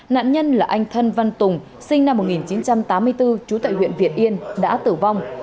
nạn nhân là anh thân văn tùng sinh năm một nghìn chín trăm tám mươi bốn trú tại huyện việt yên đã tử vong